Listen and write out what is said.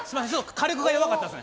火力が弱かったですね。